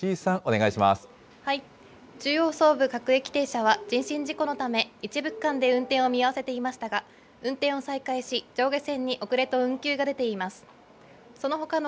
ＪＲ東日本、石井さん、お願いし中央・総武各駅停車は人身事故のため、一部区間で運転を見合わせていましたが、運転を再開し、上下線に遅れと運休が出ています。